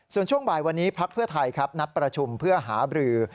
ส่วนช่วงบ่ายวันนี้พักเพื่อไทยครับนัดประชุมเพื่อหาบรือ